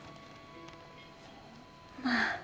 まあ。